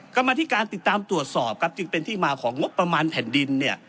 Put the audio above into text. กรรมานที่การติดตามตรวจสอบจึงเป็นที่มาของงบประมาณแผ่นนดิน